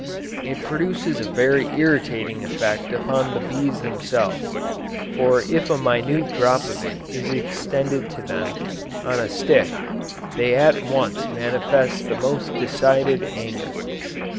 It produces a very irritating effect upon the bees themselves; for if a minute drop of it is extended to them, on a stick, they at once manifest the most decided anger.